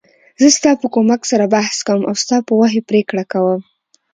زه ستا په کومک سره بحث کوم او ستا په وحی پریکړه کوم .